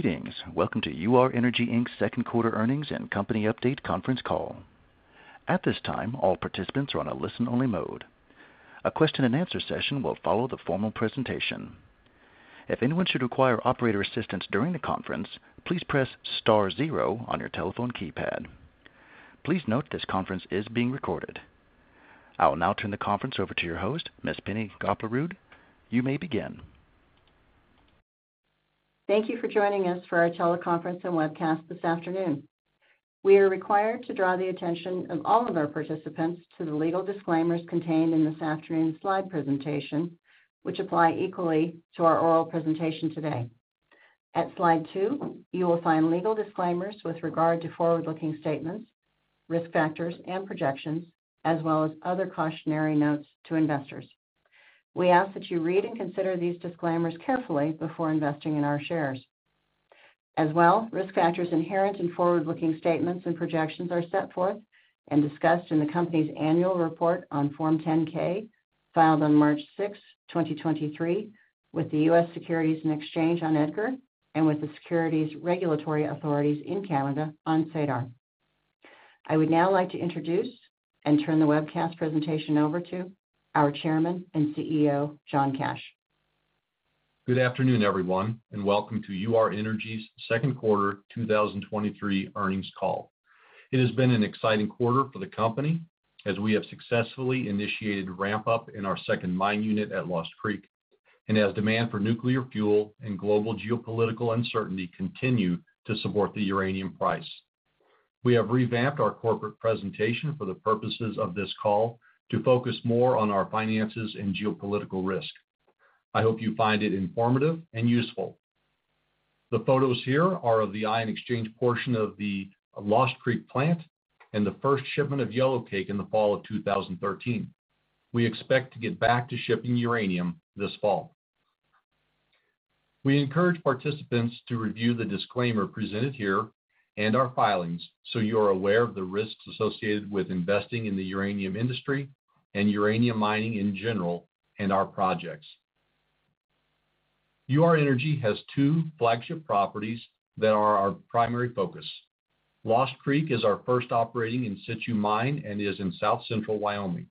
Greetings. Welcome to Ur-Energy Inc.'s second quarter earnings and company update conference call. At this time, all participants are on a listen-only mode. A question-and-answer session will follow the formal presentation. If anyone should require operator assistance during the conference, please press star zero on your telephone keypad. Please note, this conference is being recorded. I will now turn the conference over to your host, Ms. Penne Goplerud. You may begin. Thank you for joining us for our teleconference and webcast this afternoon. We are required to draw the attention of all of our participants to the legal disclaimers contained in this afternoon's slide presentation, which apply equally to our oral presentation today. At slide two, you will find legal disclaimers with regard to forward-looking statements, risk factors, and projections, as well as other cautionary notes to investors. We ask that you read and consider these disclaimers carefully before investing in our shares. As well, risk factors inherent in forward-looking statements and projections are set forth and discussed in the company's annual report on Form 10-K, filed on March 6, 2023, with the U.S. Securities and Exchange on EDGAR and with the securities regulatory authorities in Canada on SEDAR. I would now like to introduce and turn the webcast presentation over to our Chairman and CEO, John Cash. Good afternoon, everyone, welcome to Ur-Energy's second quarter 2023 earnings call. It has been an exciting quarter for the company as we have successfully initiated ramp-up in our second mine unit at Lost Creek, as demand for nuclear fuel and global geopolitical uncertainty continue to support the uranium price. We have revamped our corporate presentation for the purposes of this call to focus more on our finances and geopolitical risk. I hope you find it informative and useful. The photos here are of the ion exchange portion of the Lost Creek plant and the first shipment of yellowcake in the fall of 2013. We expect to get back to shipping uranium this fall. We encourage participants to review the disclaimer presented here and our filings, so you are aware of the risks associated with investing in the uranium industry and uranium mining in general, and our projects. Ur-Energy has two flagship properties that are our primary focus. Lost Creek is our first operating in-situ mine and is in South Central Wyoming.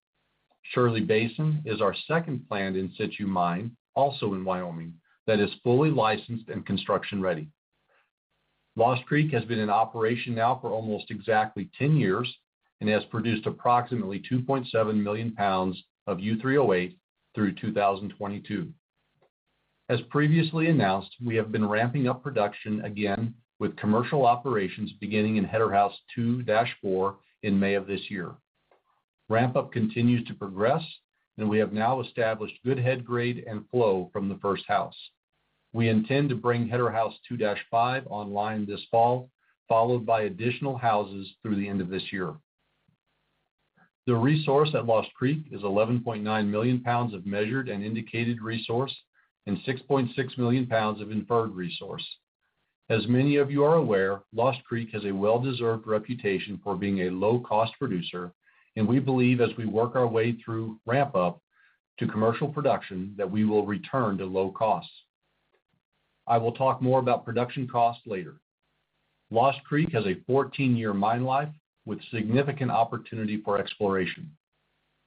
Shirley Basin is our second planned in-situ mine, also in Wyoming, that is fully licensed and construction-ready. Lost Creek has been in operation now for almost exactly 10 years and has produced approximately 2.7 million pounds of U3O8 through 2022. As previously announced, we have been ramping up production again, with commercial operations beginning in Header House 2-4 in May of this year. Ramp-up continues to progress, we have now established good head grade and flow from the first house. We intend to bring Header House 2-5 online this fall, followed by additional houses through the end of this year. The resource at Lost Creek is 11.9 million pounds of measured and indicated resource and 6.6 million pounds of inferred resource. As many of you are aware, Lost Creek has a well-deserved reputation for being a low-cost producer, and we believe as we work our way through ramp-up to commercial production, that we will return to low costs. I will talk more about production costs later. Lost Creek has a 14-year mine life with significant opportunity for exploration.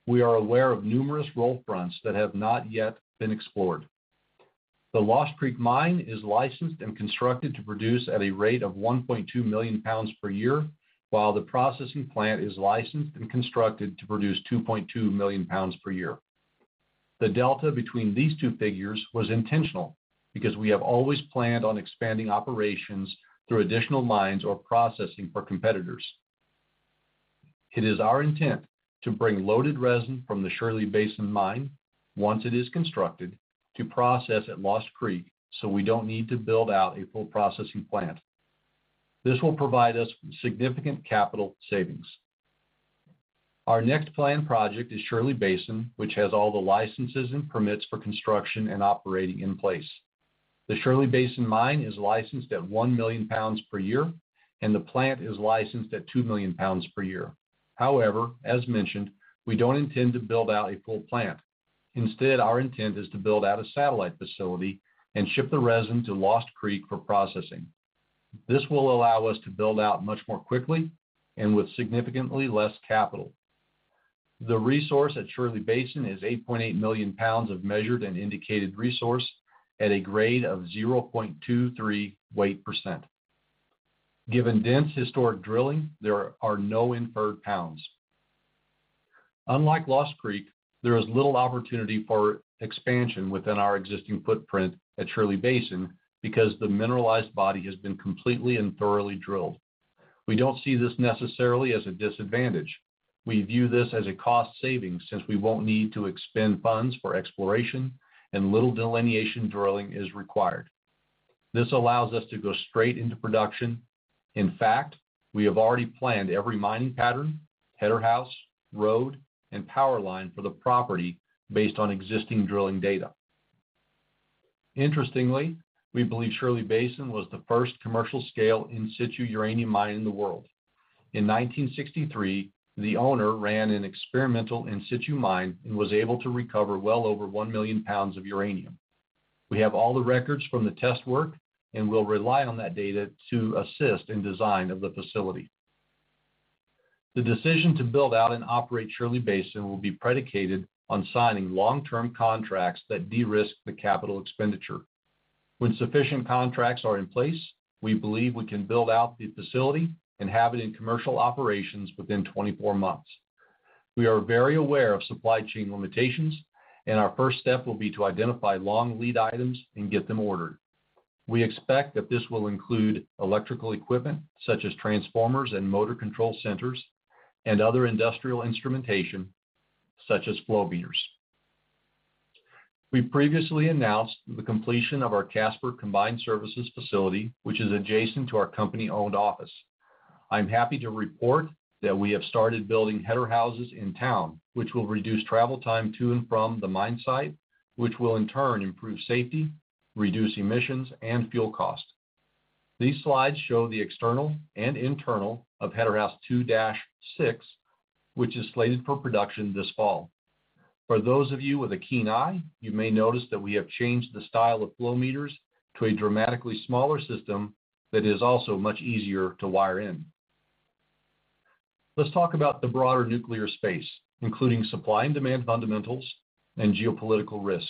We are aware of numerous roll-fronts that have not yet been explored. The Lost Creek Mine is licensed and constructed to produce at a rate of 1.2 million pounds per year, while the processing plant is licensed and constructed to produce 2.2 million pounds per year. The delta between these two figures was intentional because we have always planned on expanding operations through additional mines or processing for competitors. It is our intent to bring loaded resin from the Shirley Basin Mine, once it is constructed, to process at Lost Creek, so we don't need to build out a full processing plant. This will provide us significant capital savings. Our next planned project is Shirley Basin, which has all the licenses and permits for construction and operating in place. The Shirley Basin Mine is licensed at 1 million pounds per year, and the plant is licensed at 2 million pounds per year. However, as mentioned, we don't intend to build out a full plant. Instead, our intent is to build out a satellite facility and ship the resin to Lost Creek for processing. This will allow us to build out much more quickly and with significantly less capital. The resource at Shirley Basin is 8.8 million pounds of measured and indicated resource at a grade of 0.23 weight percent. Given dense historic drilling, there are no inferred pounds. Unlike Lost Creek, there is little opportunity for expansion within our existing footprint at Shirley Basin because the mineralized body has been completely and thoroughly drilled. We don't see this necessarily as a disadvantage. We view this as a cost saving since we won't need to expend funds for exploration and little delineation drilling is required. This allows us to go straight into production. In fact, we have already planned every mining pattern, header house, road, and power line for the property based on existing drilling data. Interestingly, we believe Shirley Basin was the first commercial scale in situ uranium mine in the world. In 1963, the owner ran an experimental in situ mine and was able to recover well over 1 million pounds of uranium. We have all the records from the test work, and we'll rely on that data to assist in design of the facility. The decision to build out and operate Shirley Basin will be predicated on signing long-term contracts that de-risk the capital expenditure. When sufficient contracts are in place, we believe we can build out the facility and have it in commercial operations within 24 months. We are very aware of supply chain limitations. Our first step will be to identify long lead items and get them ordered. We expect that this will include electrical equipment such as transformers and motor control centers, and other industrial instrumentation, such as flow meters. We previously announced the completion of our Casper Combined Services Facility, which is adjacent to our company-owned office. I'm happy to report that we have started building header houses in town, which will reduce travel time to and from the mine site, which will in turn improve safety, reduce emissions, and fuel costs. These slides show the external and internal of Header House 2-6, which is slated for production this fall. For those of you with a keen eye, you may notice that we have changed the style of flow meters to a dramatically smaller system that is also much easier to wire in. Let's talk about the broader nuclear space, including supply and demand fundamentals and geopolitical risk.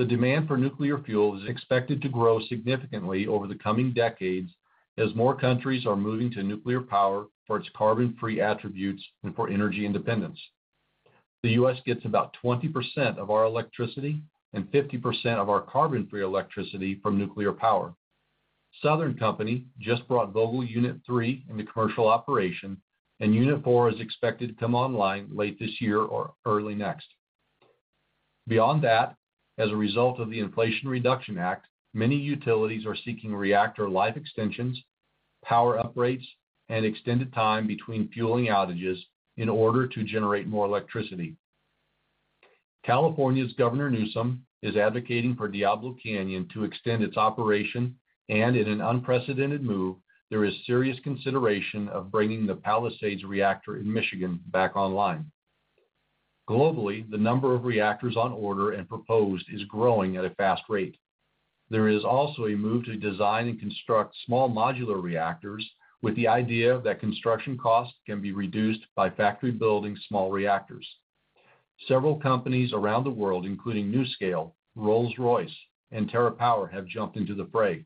The demand for nuclear fuel is expected to grow significantly over the coming decades as more countries are moving to nuclear power for its carbon-free attributes and for energy independence. The U.S. gets about 20% of our electricity and 50% of our carbon-free electricity from nuclear power. The Southern Company just brought Vogtle Unit 3 into commercial operation. Unit 4 is expected to come online late this year or early next. Beyond that, as a result of the Inflation Reduction Act, many utilities are seeking reactor life extensions, power upgrades, and extended time between fueling outages in order to generate more electricity. California's Gavin Newsom is advocating for Diablo Canyon to extend its operation. In an unprecedented move, there is serious consideration of bringing the Palisades reactor in Michigan back online. Globally, the number of reactors on order and proposed is growing at a fast rate. There is also a move to design and construct small modular reactors, with the idea that construction costs can be reduced by factory building small reactors. Several companies around the world, including NuScale, Rolls-Royce, and TerraPower, have jumped into the fray.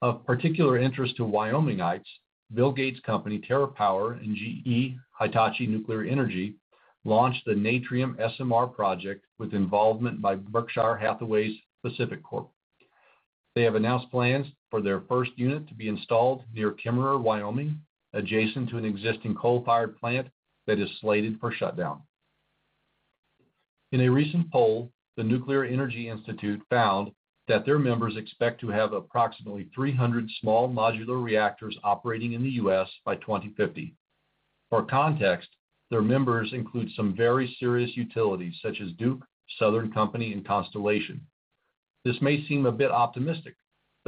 Of particular interest to Wyomingites, Bill Gates' company, TerraPower, and GE Hitachi Nuclear Energy, launched the Natrium SMR project with involvement by Berkshire Hathaway's PacifiCorp. They have announced plans for their first unit to be installed near Kemmerer, Wyoming, adjacent to an existing coal-fired plant that is slated for shutdown. In a recent poll, the Nuclear Energy Institute found that their members expect to have approximately 300 small modular reactors operating in the U.S. by 2050. For context, their members include some very serious utilities such as Duke, The Southern Company, and Constellation. This may seem a bit optimistic,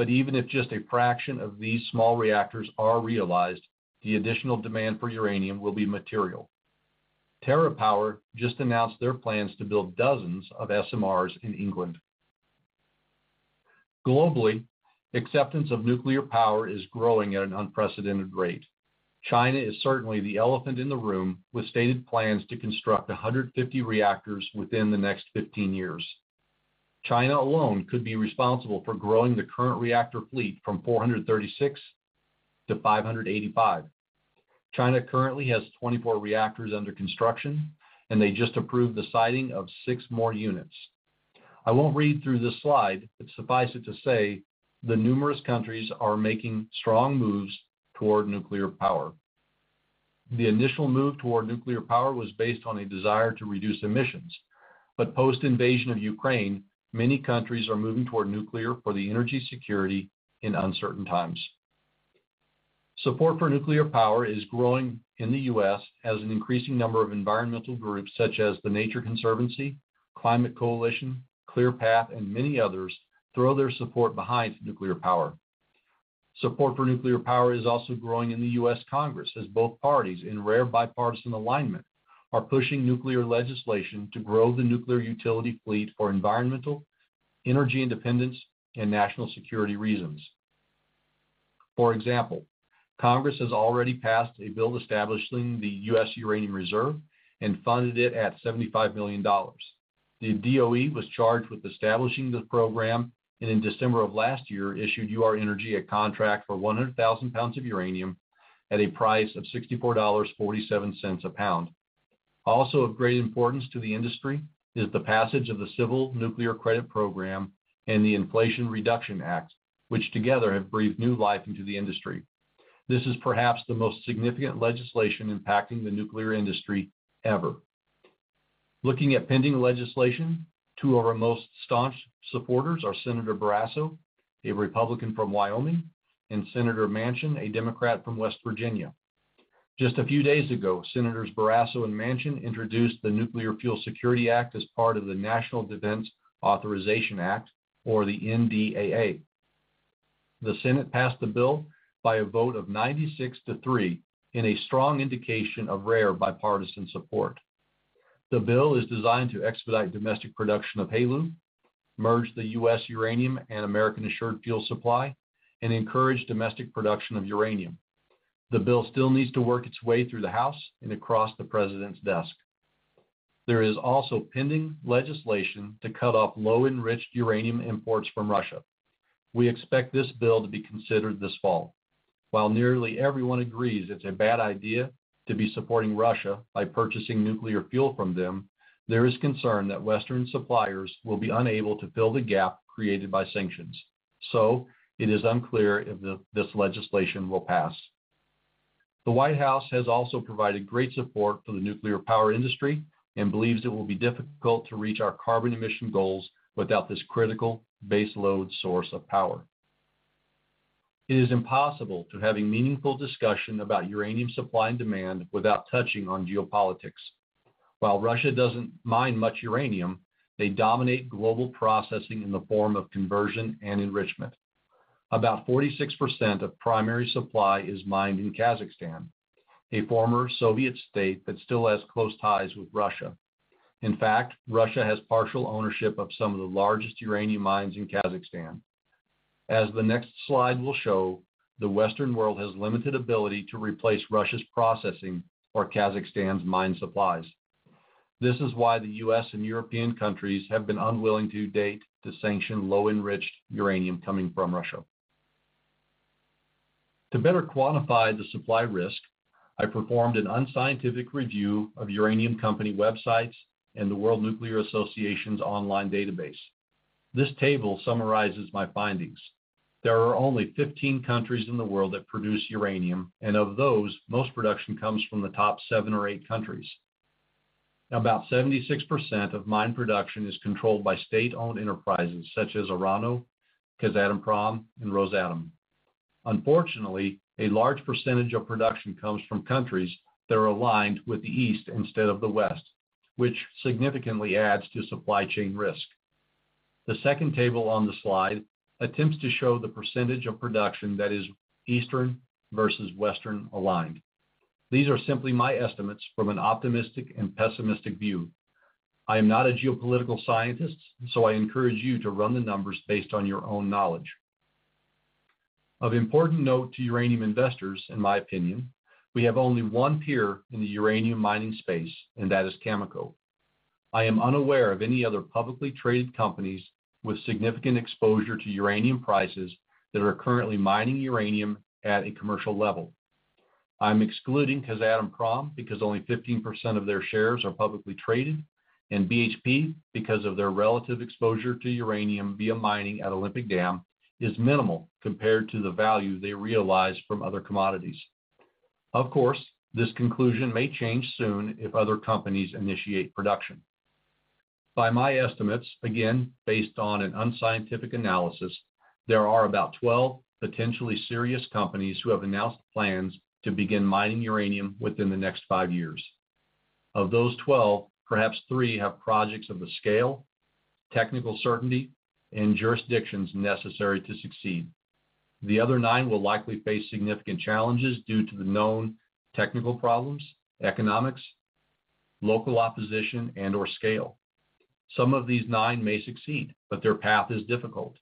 even if just a fraction of these small reactors are realized, the additional demand for uranium will be material. TerraPower just announced their plans to build dozens of SMRs in England. Globally, acceptance of nuclear power is growing at an unprecedented rate. China is certainly the elephant in the room, with stated plans to construct 150 reactors within the next 15 years. China alone could be responsible for growing the current reactor fleet from 436 to 585. China currently has 24 reactors under construction, they just approved the siting of six more units. I won't read through this slide, suffice it to say, the numerous countries are making strong moves toward nuclear power. The initial move toward nuclear power was based on a desire to reduce emissions, post-invasion of Ukraine, many countries are moving toward nuclear for the energy security in uncertain times. Support for nuclear power is growing in the U.S. as an increasing number of environmental groups such as The Nature Conservancy, Climate Coalition, ClearPath, and many others throw their support behind nuclear power. Support for nuclear power is also growing in the U.S. Congress, as both parties, in rare bipartisan alignment, are pushing nuclear legislation to grow the nuclear utility fleet for environmental, energy independence, and national security reasons. For example, Congress has already passed a bill establishing the U.S. Uranium Reserve and funded it at $75 million. The DOE was charged with establishing the program, and in December of last year, issued Ur-Energy a contract for 100,000 pounds of uranium at a price of $64.47 a pound. Also of great importance to the industry is the passage of the Civil Nuclear Credit Program and the Inflation Reduction Act, which together have breathed new life into the industry. This is perhaps the most significant legislation impacting the nuclear industry ever. Looking at pending legislation, two of our most staunch supporters are Senator Barrasso, a Republican from Wyoming, and Senator Manchin, a Democrat from West Virginia. Just a few days ago, Senators Barrasso and Manchin introduced the Nuclear Fuel Security Act as part of the National Defense Authorization Act, or the NDAA. The Senate passed the bill by a vote of 96 to 3 in a strong indication of rare bipartisan support. The bill is designed to expedite domestic production of HALEU, merge the U.S. uranium and American Assured Fuel Supply, and encourage domestic production of uranium. The bill still needs to work its way through the House and across the President's desk. There is also pending legislation to cut off low-enriched uranium imports from Russia. We expect this bill to be considered this fall. While nearly everyone agrees it's a bad idea to be supporting Russia by purchasing nuclear fuel from them, there is concern that Western suppliers will be unable to fill the gap created by sanctions. It is unclear if this legislation will pass. The White House has also provided great support for the nuclear power industry and believes it will be difficult to reach our carbon emission goals without this critical baseload source of power. It is impossible to have a meaningful discussion about uranium supply and demand without touching on geopolitics. While Russia doesn't mine much uranium, they dominate global processing in the form of conversion and enrichment. About 46% of primary supply is mined in Kazakhstan, a former Soviet state that still has close ties with Russia. In fact, Russia has partial ownership of some of the largest uranium mines in Kazakhstan. As the next slide will show, the Western world has limited ability to replace Russia's processing or Kazakhstan's mine supplies. This is why the U.S. and European countries have been unwilling to date to sanction low-enriched uranium coming from Russia. To better quantify the supply risk, I performed an unscientific review of uranium company websites and the World Nuclear Association's online database. This table summarizes my findings. There are only 15 countries in the world that produce uranium, and of those, most production comes from the top seven or eight countries. About 76% of mine production is controlled by state-owned enterprises such as Orano, Kazatomprom, and Rosatom. Unfortunately, a large percentage of production comes from countries that are aligned with the East instead of the West, which significantly adds to supply chain risk. The second table on the slide attempts to show the percentage of production that is Eastern versus Western aligned. These are simply my estimates from an optimistic and pessimistic view. I am not a geopolitical scientist, so I encourage you to run the numbers based on your own knowledge. Of important note to uranium investors, in my opinion, we have only one peer in the uranium mining space, and that is Cameco. I am unaware of any other publicly traded companies with significant exposure to uranium prices that are currently mining uranium at a commercial level. I'm excluding Kazatomprom because only 15% of their shares are publicly traded, and BHP because of their relative exposure to uranium via mining at Olympic Dam, is minimal compared to the value they realize from other commodities. Of course, this conclusion may change soon if other companies initiate production. By my estimates, again, based on an unscientific analysis, there are about 12 potentially serious companies who have announced plans to begin mining uranium within the next five years. Of those 12, perhaps three have projects of the scale, technical certainty, and jurisdictions necessary to succeed. The other nine will likely face significant challenges due to the known technical problems, economics, local opposition, and/or scale. Some of these nine may succeed, but their path is difficult.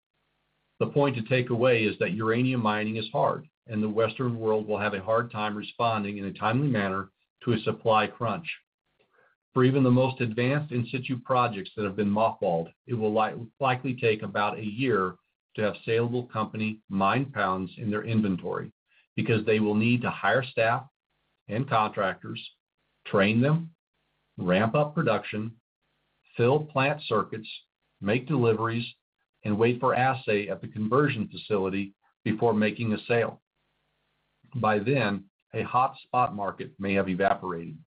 The point to take away is that uranium mining is hard, and the Western world will have a hard time responding in a timely manner to a supply crunch. For even the most advanced in-situ projects that have been mothballed, it will likely take about a year to have saleable company mine pounds in their inventory, because they will need to hire staff and contractors, train them, ramp up production, fill plant circuits, make deliveries, and wait for assay at the conversion facility before making a sale. By then, a hot spot market may have evaporated.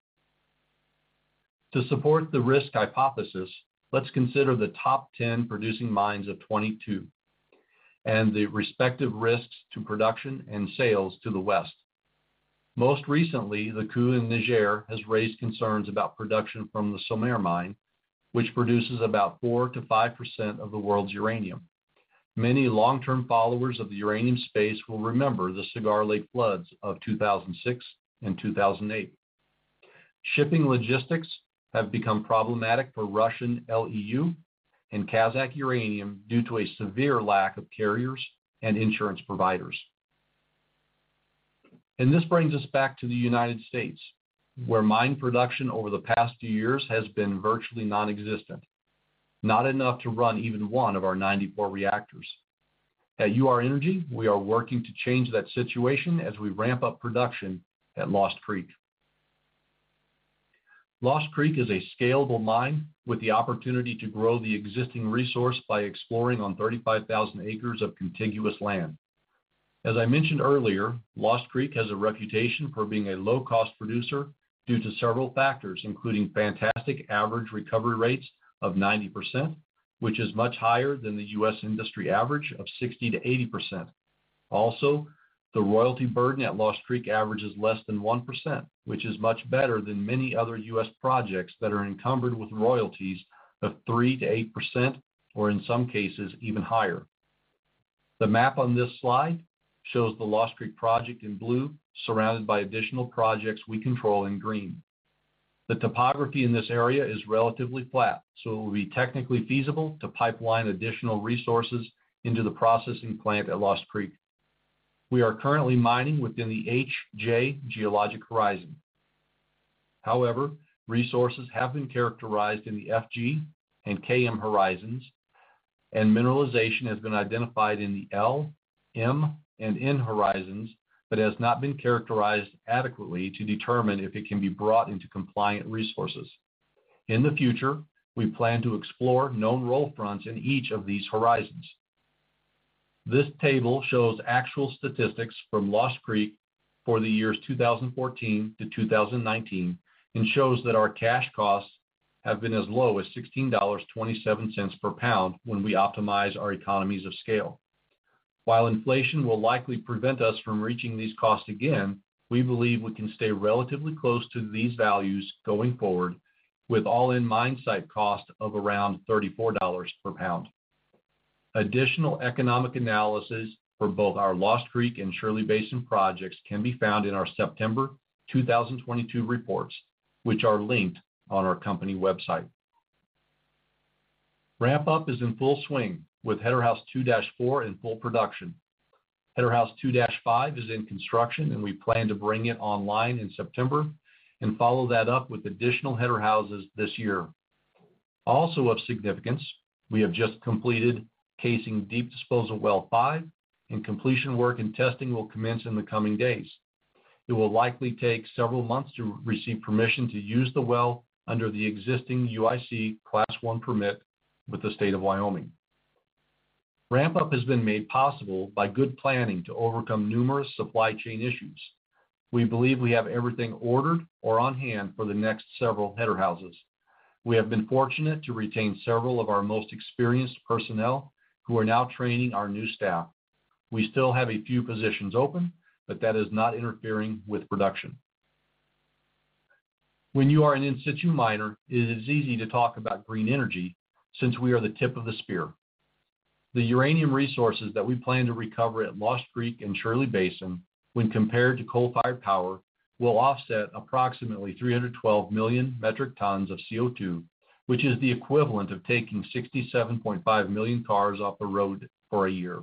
To support the risk hypothesis, let's consider the top 10 producing mines of 2022, and the respective risks to production and sales to the West. Most recently, the coup in Niger has raised concerns about production from the Somaïr mine, which produces about 4%-5% of the world's uranium. Many long-term followers of the uranium space will remember the Cigar Lake floods of 2006 and 2008. Shipping logistics have become problematic for Russian LEU and Kazakh uranium due to a severe lack of carriers and insurance providers. This brings us back to the United States, where mine production over the past few years has been virtually nonexistent, not enough to run even one of our 94 reactors. At Ur-Energy, we are working to change that situation as we ramp up production at Lost Creek. Lost Creek is a scalable mine with the opportunity to grow the existing resource by exploring on 35,000 acres of contiguous land. As I mentioned earlier, Lost Creek has a reputation for being a low-cost producer due to several factors, including fantastic average recovery rates of 90%, which is much higher than the U.S. industry average of 60%-80%. The royalty burden at Lost Creek averages less than 1%, which is much better than many other U.S. projects that are encumbered with royalties of 3%-8%, or in some cases, even higher. The map on this slide shows the Lost Creek project in blue, surrounded by additional projects we control in green. The topography in this area is relatively flat, so it will be technically feasible to pipeline additional resources into the processing plant at Lost Creek. We are currently mining within the HJ geologic horizon. However, resources have been characterized in the FG and KM horizons, and mineralization has been identified in the L, M, and N horizons, but has not been characterized adequately to determine if it can be brought into compliant resources. In the future, we plan to explore known roll-fronts in each of these horizons. This table shows actual statistics from Lost Creek for the years 2014 to 2019, shows that our cash costs have been as low as $16.27 per pound when we optimize our economies of scale. While inflation will likely prevent us from reaching these costs again, we believe we can stay relatively close to these values going forward, with all-in mine site cost of around $34 per pound. Additional economic analysis for both our Lost Creek and Shirley Basin projects can be found in our September 2022 reports, which are linked on our company website. Ramp-up is in full swing with Header House 2-4 in full production. Header House 2-5 is in construction, we plan to bring it online in September and follow that up with additional header houses this year. Of significance, we have just completed casing Deep Disposal Well 5, and completion work and testing will commence in the coming days. It will likely take several months to receive permission to use the well under the existing UIC Class I permit with the state of Wyoming. Ramp-up has been made possible by good planning to overcome numerous supply chain issues. We believe we have everything ordered or on hand for the next several header houses. We have been fortunate to retain several of our most experienced personnel, who are now training our new staff. We still have a few positions open, but that is not interfering with production. When you are an in situ miner, it is easy to talk about green energy since we are the tip of the spear. The uranium resources that we plan to recover at Lost Creek and Shirley Basin, when compared to coal-fired power, will offset approximately 312 million metric tons of CO2, which is the equivalent of taking 67.5 million cars off the road for a year.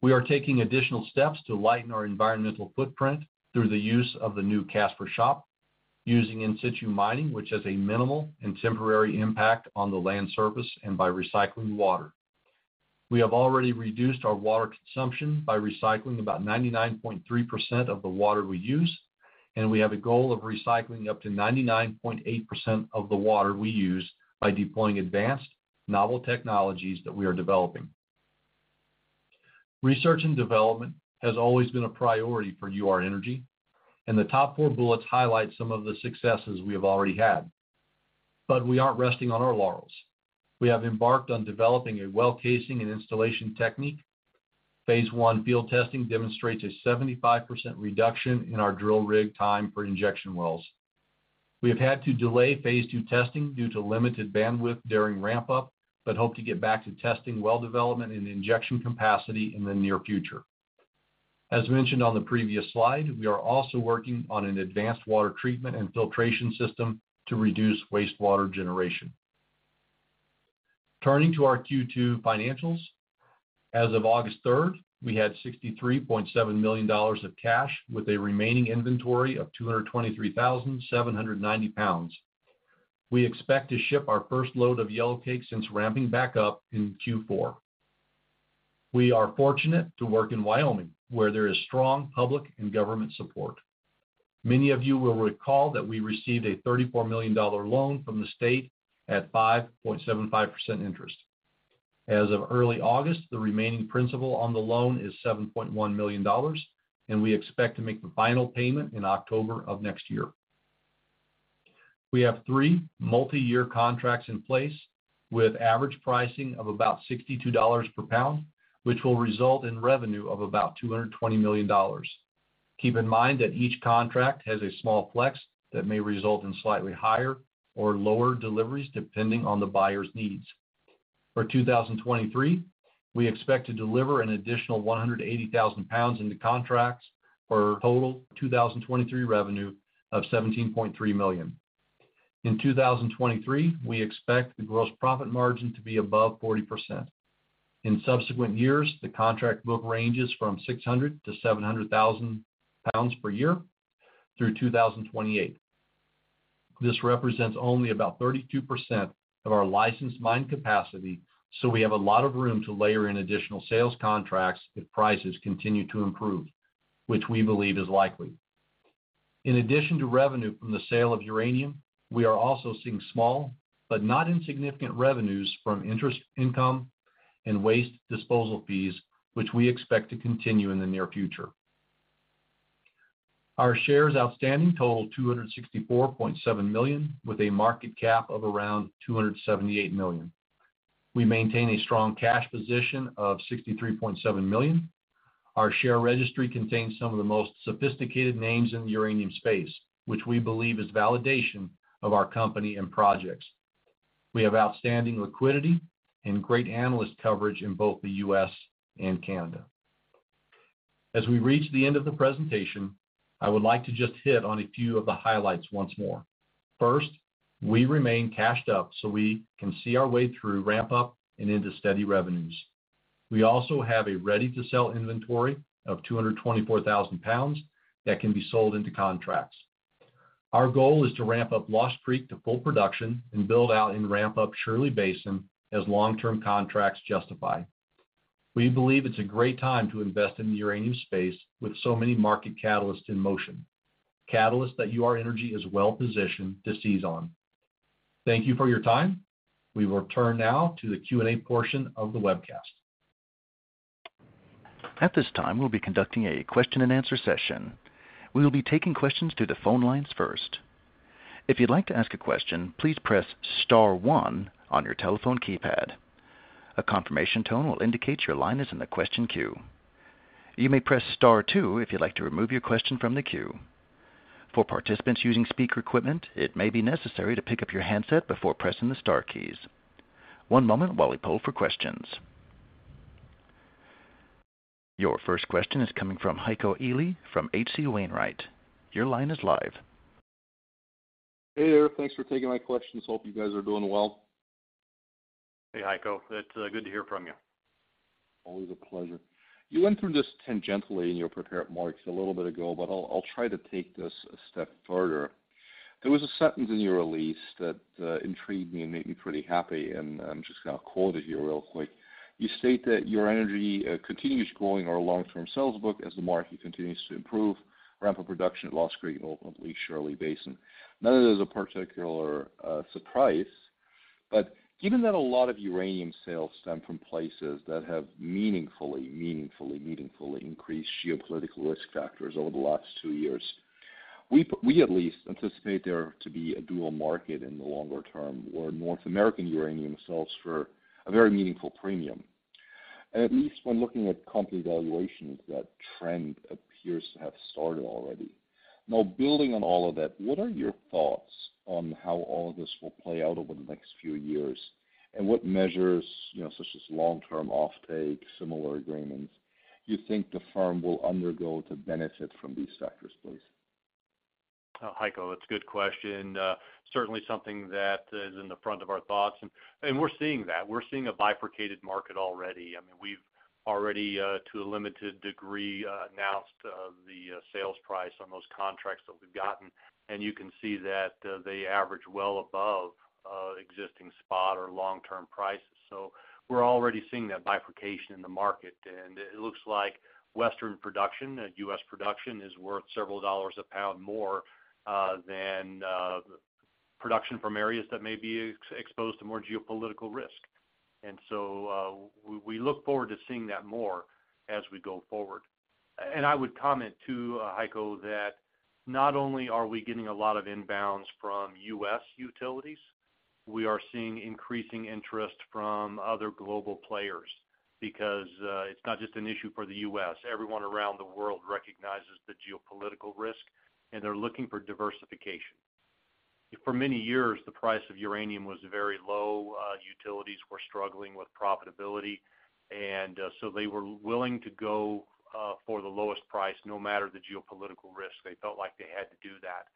We are taking additional steps to lighten our environmental footprint through the use of the new Casper shop, using in-situ mining, which has a minimal and temporary impact on the land surface, and by recycling water. We have already reduced our water consumption by recycling about 99.3% of the water we use, and we have a goal of recycling up to 99.8% of the water we use by deploying advanced novel technologies that we are developing. Research and development has always been a priority for Ur-Energy, the top four bullets highlight some of the successes we have already had, but we aren't resting on our laurels. We have embarked on developing a well casing and installation technique. Phase I field testing demonstrates a 75% reduction in our drill rig time for injection wells. We have had to delay phase II testing due to limited bandwidth during ramp-up, but hope to get back to testing well development and injection capacity in the near future. As mentioned on the previous slide, we are also working on an advanced water treatment and filtration system to reduce wastewater generation. Turning to our Q2 financials. As of August third, we had $63.7 million of cash, with a remaining inventory of 223,790 pounds. We expect to ship our first load of yellowcake since ramping back up in Q4. We are fortunate to work in Wyoming, where there is strong public and government support. Many of you will recall that we received a $34 million loan from the state at 5.75% interest. As of early August, the remaining principal on the loan is $7.1 million, and we expect to make the final payment in October of next year. We have three multiyear contracts in place with average pricing of about $62 per pound, which will result in revenue of about $220 million. Keep in mind that each contract has a small flex that may result in slightly higher or lower deliveries, depending on the buyer's needs. For 2023, we expect to deliver an additional 180,000 pounds into contracts for a total 2023 revenue of $17.3 million. In 2023, we expect the gross profit margin to be above 40%. In subsequent years, the contract book ranges from 600,000-700,000 pounds per year through 2028. This represents only about 32% of our licensed mine capacity, so we have a lot of room to layer in additional sales contracts if prices continue to improve, which we believe is likely. In addition to revenue from the sale of uranium, we are also seeing small, but not insignificant, revenues from interest income and waste disposal fees, which we expect to continue in the near future. Our shares outstanding total $264.7 million, with a market cap of around $278 million. We maintain a strong cash position of $63.7 million. Our share registry contains some of the most sophisticated names in the uranium space, which we believe is validation of our company and projects. We have outstanding liquidity and great analyst coverage in both the U.S. and Canada. As we reach the end of the presentation, I would like to just hit on a few of the highlights once more. First, we remain cashed up so we can see our way through ramp-up and into steady revenues. We also have a ready-to-sell inventory of 224,000 pounds that can be sold into contracts. Our goal is to ramp up Lost Creek to full production and build out and ramp up Shirley Basin as long-term contracts justify. We believe it's a great time to invest in the uranium space with so many market catalysts in motion, catalysts that Ur-Energy is well-positioned to seize on. Thank you for your time. We will turn now to the Q&A portion of the webcast. At this time, we'll be conducting a question-and-answer session. We will be taking questions through the phone lines first. If you'd like to ask a question, please press star one on your telephone keypad. A confirmation tone will indicate your line is in the question queue. You may press star two if you'd like to remove your question from the queue. For participants using speaker equipment, it may be necessary to pick up your handset before pressing the star keys. One moment while we poll for questions. Your first question is coming from Heiko Ihle from H.C. Wainwright. Your line is live. Hey there. Thanks for taking my questions. Hope you guys are doing well. Hey, Heiko. It's good to hear from you. Always a pleasure. You went through this tangentially in your prepared remarks a little bit ago, but I'll, I'll try to take this a step further. There was a sentence in your release that intrigued me and made me pretty happy, and I'm just gonna quote it here real quick. You state that Ur-Energy continues growing our long-term sales book as the market continues to improve, ramp up production at Lost Creek, and ultimately Shirley Basin. None of this is a particular surprise, but given that a lot of uranium sales stem from places that have meaningfully, meaningfully, meaningfully increased geopolitical risk factors over the last two years, we p- we at least anticipate there to be a dual market in the longer term, where North American uranium sells for a very meaningful premium. At least when looking at company valuations, that trend appears to have started already. Now, building on all of that, what are your thoughts on how all of this will play out over the next few years? What measures, you know, such as long-term offtake, similar agreements, you think the firm will undergo to benefit from these factors, please? Heiko, that's a good question. Certainly something that is in the front of our thoughts, and we're seeing that. We're seeing a bifurcated market already. I mean, we've already, to a limited degree, announced the sales price on those contracts that we've gotten, and you can see that they average well above existing spot or long-term prices. We're already seeing that bifurcation in the market, and it looks like Western production, U.S. production, is worth several dollars a pound more than production from areas that may be exposed to more geopolitical risk. We look forward to seeing that more as we go forward. I would comment, too, Heiko, that not only are we getting a lot of inbounds from U.S. utilities, we are seeing increasing interest from other global players because it's not just an issue for the U.S. Everyone around the world recognizes the geopolitical risk, and they're looking for diversification. For many years, the price of uranium was very low. Utilities were struggling with profitability, and so they were willing to go for the lowest price, no matter the geopolitical risk. They felt like they had to do that.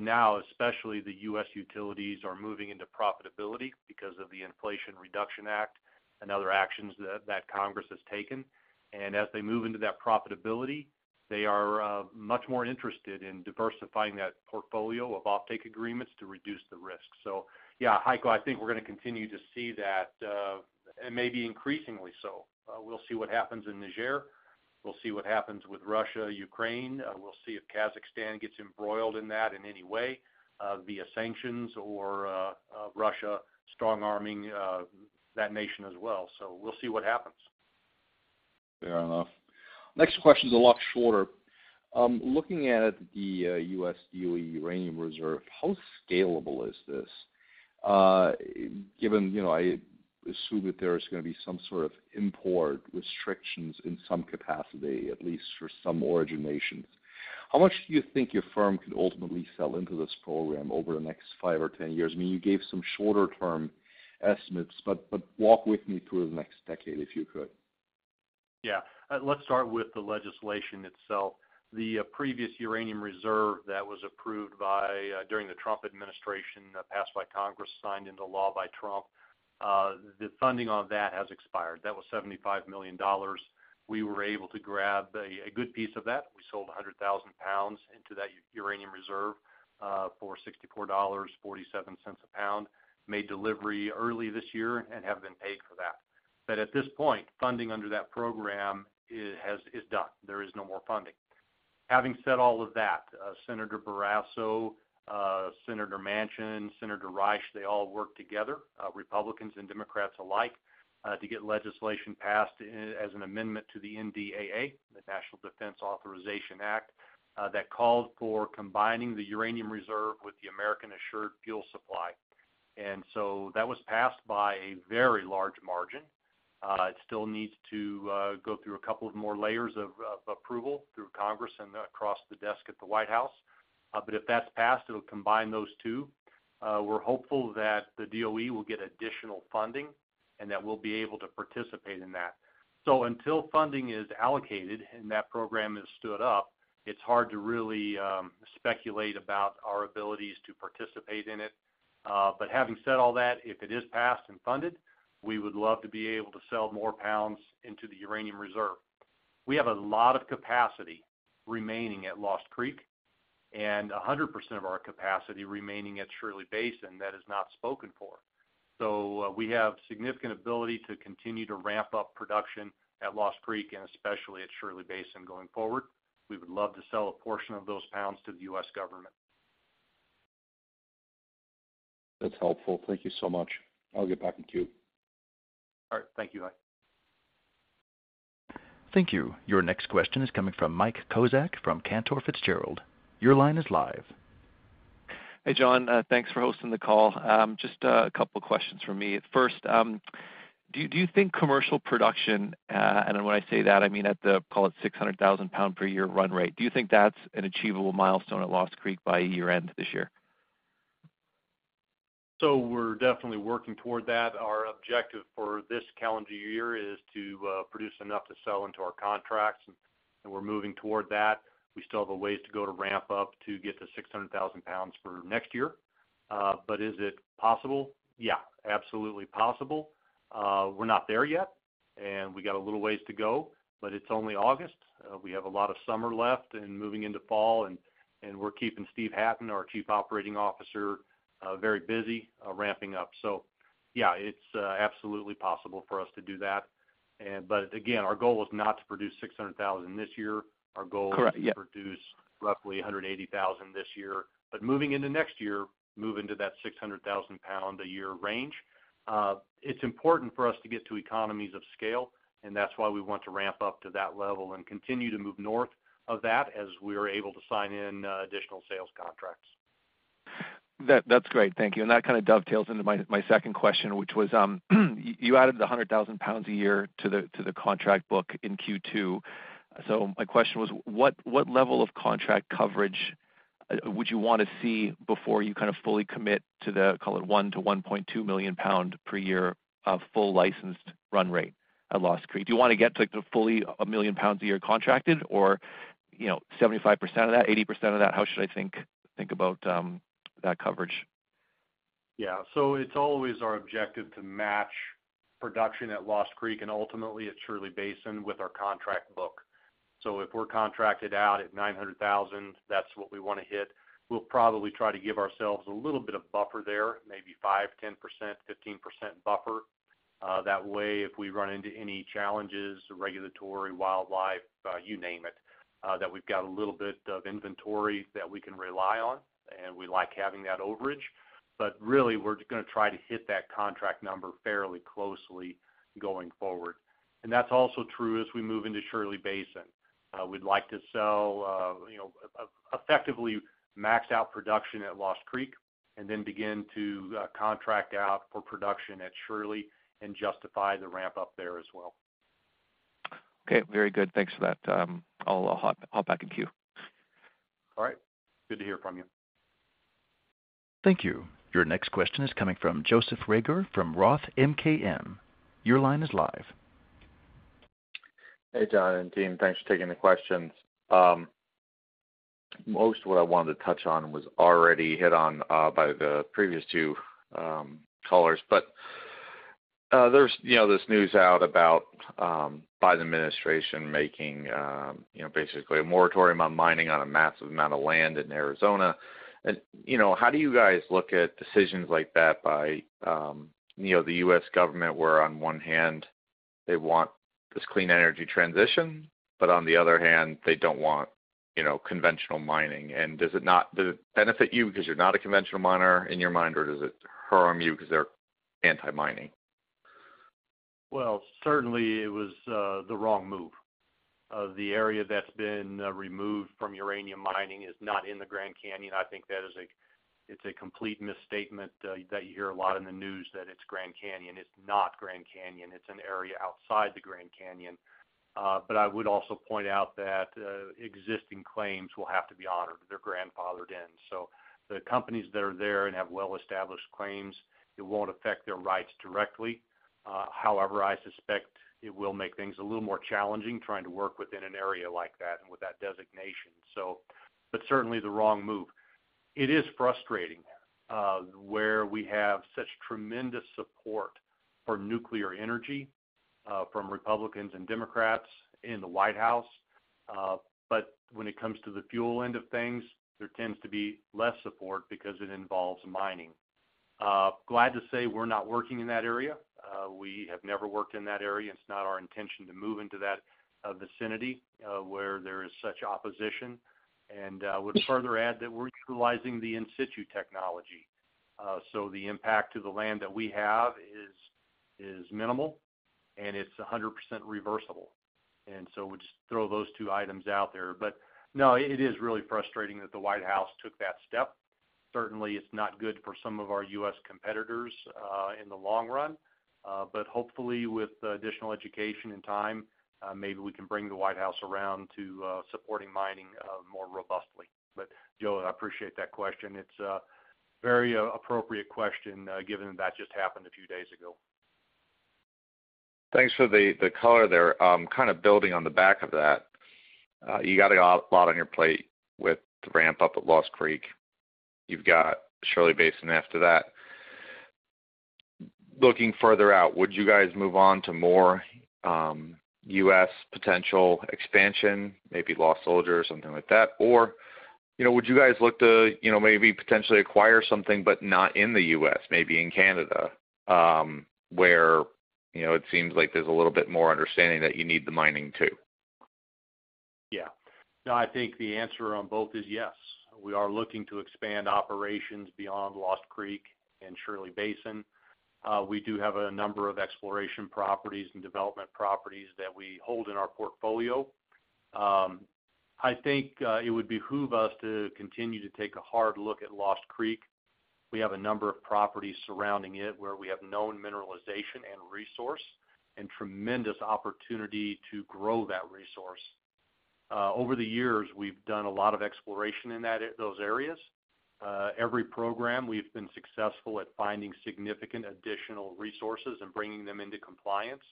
Now, especially the U.S. utilities are moving into profitability because of the Inflation Reduction Act and other actions that Congress has taken. As they move into that profitability, they are much more interested in diversifying that portfolio of offtake agreements to reduce the risk. Yeah, Heiko, I think we're gonna continue to see that, and maybe increasingly so. We'll see what happens in Niger. We'll see what happens with Russia, Ukraine. We'll see if Kazakhstan gets embroiled in that in any way, via sanctions or, Russia strong-arming, that nation as well. We'll see what happens. Fair enough. Next question is a lot shorter. Looking at the U.S. DOE uranium reserve, how scalable is this? Given, you know, I assume that there is gonna be some sort of import restrictions in some capacity, at least for some originations. How much do you think your firm could ultimately sell into this program over the next five or 10 years? I mean, you gave some shorter-term estimates, but, but walk with me through the next decade, if you could. Yeah. Let's start with the legislation itself. The previous Uranium Reserve that was approved by during the Trump administration, passed by Congress, signed into law by Trump, the funding on that has expired. That was $75 million. We were able to grab a good piece of that. We sold 100,000 pounds into that Uranium Reserve for $64.47 a pound. Made delivery early this year and have been paid for that. At this point, funding under that program is done. There is no more funding. Having said all of that, Senator Barrasso, Senator Manchin, Senator Risch, they all work together, Republicans and Democrats alike, to get legislation passed as an amendment to the NDAA, the National Defense Authorization Act, that called for combining the Uranium Reserve with the American Assured Fuel Supply. That was passed by a very large margin. It still needs to go through a couple of more layers of approval through Congress and across the desk at the White House. If that's passed, it'll combine those two. We're hopeful that the DOE will get additional funding and that we'll be able to participate in that. Until funding is allocated and that program is stood up, it's hard to really speculate about our abilities to participate in it. Having said all that, if it is passed and funded, we would love to be able to sell more pounds into the U.S. Uranium Reserve. We have a lot of capacity remaining at Lost Creek, and 100% of our capacity remaining at Shirley Basin that is not spoken for. We have significant ability to continue to ramp up production at Lost Creek and especially at Shirley Basin going forward. We would love to sell a portion of those pounds to the U.S. government. That's helpful. Thank you so much. I'll get back in queue. All right. Thank you, bye. Thank you. Your next question is coming from Mike Kozak from Cantor Fitzgerald. Your line is live. Hey, John, thanks for hosting the call. Just a couple questions from me. First, do you, do you think commercial production? When I say that, I mean at the, call it 600,000 pound per year run rate. Do you think that's an achievable milestone at Lost Creek by year-end this year? We're definitely working toward that. Our objective for this calendar year is to produce enough to sell into our contracts, and we're moving toward that. We still have a ways to go to ramp up to get to 600,000 pounds for next year. Is it possible? Yeah, absolutely possible. We're not there yet, and we got a little ways to go, but it's only August. We have a lot of summer left and moving into fall, and, and we're keeping Steve Hatten, our Chief Operating Officer, very busy ramping up. Yeah, it's absolutely possible for us to do that. But again, our goal is not to produce 600,000 this year. Correct. Yeah. Our goal is to produce roughly 180,000 this year. Moving into next year, move into that 600,000 pound a year range. It's important for us to get to economies of scale, and that's why we want to ramp up to that level and continue to move north of that as we are able to sign in additional sales contracts. That, that's great. Thank you. That kind of dovetails into my, my second question, which was, you added the 100,000 pounds a year to the, to the contract book in Q2. My question was, what, what level of contract coverage would you want to see before you kind of fully commit to the, call it 1 million-1.2 million pound per year of full licensed run rate at Lost Creek? Do you want to get to, fully 1 million pounds a year contracted or, you know, 75% of that, 80% of that? How should I think, think about that coverage? Yeah. It's always our objective to match production at Lost Creek and ultimately at Shirley Basin with our contract book. If we're contracted out at 900,000, that's what we want to hit. We'll probably try to give ourselves a little bit of buffer there, maybe 5%, 10%, 15% buffer. That way, if we run into any challenges, regulatory, wildlife, you name it, that we've got a little bit of inventory that we can rely on, and we like having that overage. Really, we're just gonna try to hit that contract number fairly closely going forward. That's also true as we move into Shirley Basin. We'd like to sell, you know, effectively max out production at Lost Creek and then begin to contract out for production at Shirley and justify the ramp up there as well. Okay, very good. Thanks for that. I'll hop back in queue. All right. Good to hear from you. Thank you. Your next question is coming from Joseph Reagor from Roth MKM. Your line is live. Hey, John and team, thanks for taking the questions. Most of what I wanted to touch on was already hit on by the previous two callers. There's, you know, this news out about Biden administration making, you know, basically a moratorium on mining on a massive amount of land in Arizona. You know, how do you guys look at decisions like that by, you know, the U.S. government, where on one hand, they want this clean energy transition, but on the other hand, they don't want, you know, conventional mining? Does it benefit you because you're not a conventional miner in your mind, or does it harm you because they're anti-mining? Certainly it was the wrong move. The area that's been removed from uranium mining is not in the Grand Canyon. I think that is it's a complete misstatement that you hear a lot in the news, that it's Grand Canyon. It's not Grand Canyon. It's an area outside the Grand Canyon. I would also point out that existing claims will have to be honored. They're grandfathered in. The companies that are there and have well-established claims, it won't affect their rights directly. However, I suspect it will make things a little more challenging trying to work within an area like that and with that designation. Certainly the wrong move. It is frustrating, where we have such tremendous support for nuclear energy from Republicans and Democrats in The White House. When it comes to the fuel end of things, there tends to be less support because it involves mining. Glad to say we're not working in that area. We have never worked in that area. It's not our intention to move into that vicinity where there is such opposition. Would further add that we're utilizing the in-situ technology. The impact to the land that we have is minimal. And it's 100% reversible. We just throw those two items out there. No, it is really frustrating that The White House took that step. Certainly, it's not good for some of our U.S. competitors in the long run, but hopefully, with additional education and time, maybe we can bring The White House around to supporting mining more robustly. Joe, I appreciate that question. It's a very appropriate question, given that just happened a few days ago. Thanks for the, the color there. Kind of building on the back of that, you got a lot, lot on your plate with the ramp up at Lost Creek. You've got Shirley Basin after that. Looking further out, would you guys move on to more, U.S. potential expansion, maybe Lost Soldier or something like that? You know, would you guys look to, you know, maybe potentially acquire something, but not in the U.S., maybe in Canada, where, you know, it seems like there's a little bit more understanding that you need the mining, too? Yeah. No, I think the answer on both is yes. We are looking to expand operations beyond Lost Creek and Shirley Basin. We do have a number of exploration properties and development properties that we hold in our portfolio. I think it would behoove us to continue to take a hard look at Lost Creek. We have a number of properties surrounding it, where we have known mineralization and resource, and tremendous opportunity to grow that resource. Over the years, we've done a lot of exploration in those areas. Every program, we've been successful at finding significant additional resources and bringing them into compliance.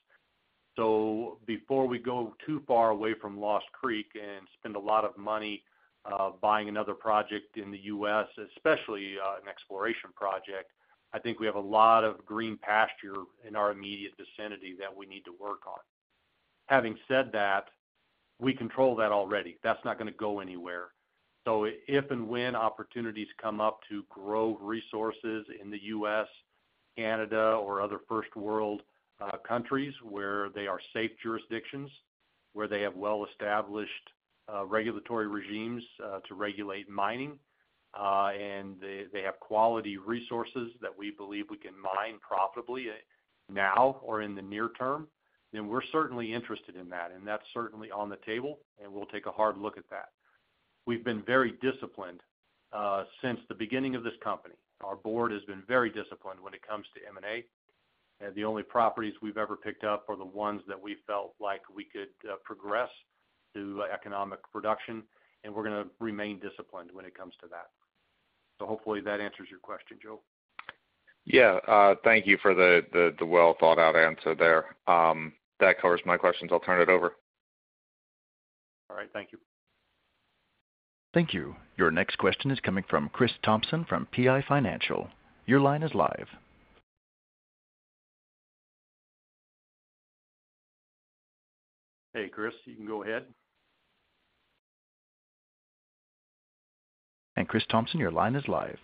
Before we go too far away from Lost Creek and spend a lot of money, buying another project in the U.S., especially, an exploration project, I think we have a lot of green pasture in our immediate vicinity that we need to work on. Having said that, we control that already. That's not gonna go anywhere. If and when opportunities come up to grow resources in the U.S., Canada, or other first-world countries, where they are safe jurisdictions, where they have well-established regulatory regimes to regulate mining, and they, they have quality resources that we believe we can mine profitably now or in the near term, then we're certainly interested in that, and that's certainly on the table, and we'll take a hard look at that. We've been very disciplined since the beginning of this company. Our board has been very disciplined when it comes to M&A. The only properties we've ever picked up are the ones that we felt like we could progress to economic production, and we're gonna remain disciplined when it comes to that. Hopefully, that answers your question, Joe. Yeah, thank you for the well-thought-out answer there. That covers my questions. I'll turn it over. All right, thank you. Thank you. Your next question is coming from Chris Thompson from PI Financial. Your line is live. Hey, Chris, you can go ahead. Chris Thompson, your line is live.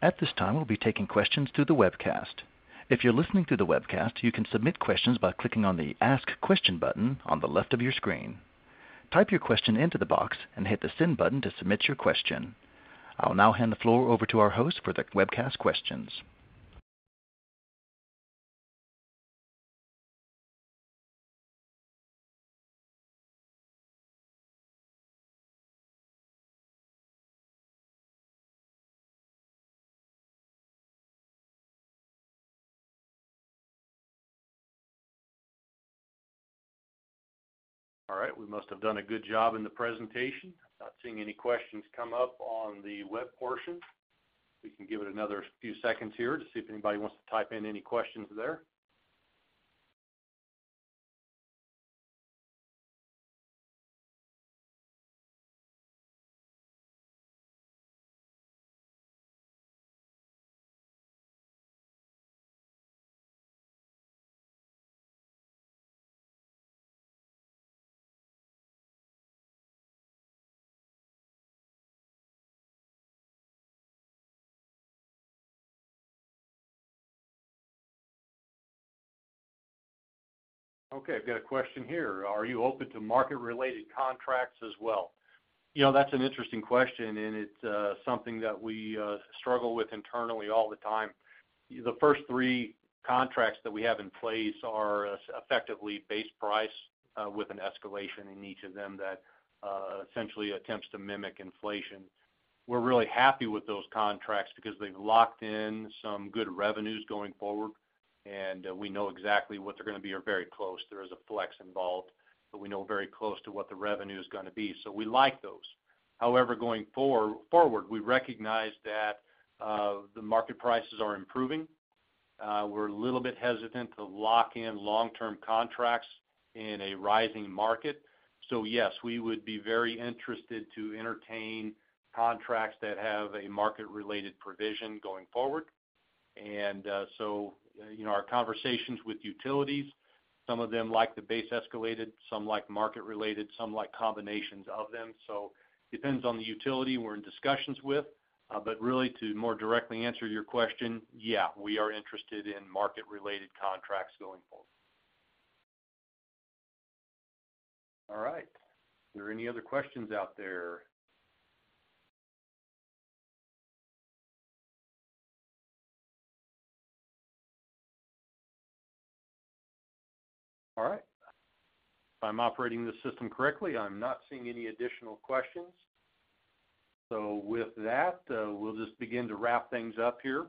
At this time, we'll be taking questions through the webcast. If you're listening through the webcast, you can submit questions by clicking on the Ask Question button on the left of your screen. Type your question into the box and hit the Send button to submit your question. I'll now hand the floor over to our host for the webcast questions. All right, we must have done a good job in the presentation. Not seeing any questions come up on the web portion. We can give it another few seconds here to see if anybody wants to type in any questions there. Okay, I've got a question here: Are you open to market-related contracts as well? You know, that's an interesting question, and it's something that we struggle with internally all the time. The first three contracts that we have in place are effectively base price, with an escalation in each of them that essentially attempts to mimic inflation. We're really happy with those contracts because they've locked in some good revenues going forward, and we know exactly what they're gonna be or very close. There is a flex involved, but we know very close to what the revenue is gonna be. We like those. However, going forward, we recognize that the market prices are improving. We're a little bit hesitant to lock in long-term contracts in a rising market. Yes, we would be very interested to entertain contracts that have a market-related provision going forward. You know, our conversations with utilities, some of them like the base-escalated, some like market-related, some like combinations of them. It depends on the utility we're in discussions with, but really to more directly answer your question, yeah, we are interested in market-related contracts going forward. All right. Are there any other questions out there? All right. If I'm operating the system correctly, I'm not seeing any additional questions. With that, we'll just begin to wrap things up here.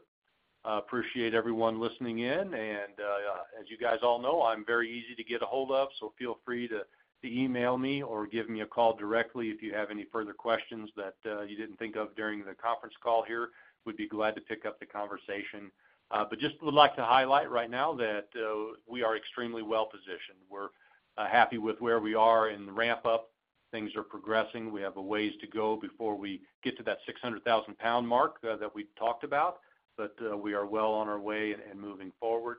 I appreciate everyone listening in, as you guys all know, I'm very easy to get a hold of, so feel free to email me or give me a call directly if you have any further questions that you didn't think of during the conference call here. We'd be glad to pick up the conversation. But just would like to highlight right now that we are extremely well-positioned. We're happy with where we are in the ramp up. Things are progressing. We have a ways to go before we get to that 600,000 pound mark that we've talked about, but we are well on our way and moving forward.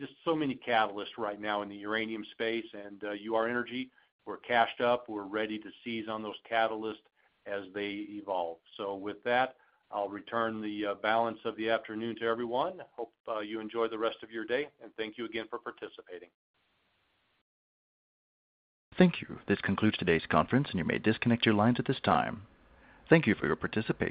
Just so many catalysts right now in the uranium space and Ur-Energy, we're cashed up, we're ready to seize on those catalysts as they evolve. With that, I'll return the balance of the afternoon to everyone. Hope, you enjoy the rest of your day, and thank you again for participating. Thank you. This concludes today's conference. You may disconnect your lines at this time. Thank you for your participation.